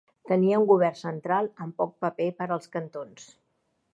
Tenia un govern central amb poc paper per als cantons.